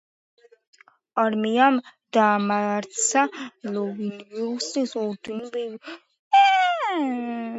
არმიამ დაამარცა ლივონიის ორდენი, მინდაუგასმა უარყო კათოლიკობა.